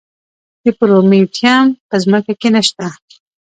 د پرومیټیم په ځمکه کې نه شته.